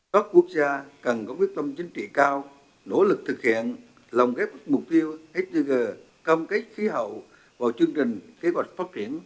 các quốc gia cần có quyết tâm chính trị cao nỗ lực thực hiện lòng ghép mục tiêu sgg công kết khí hậu vào chương trình kế hoạch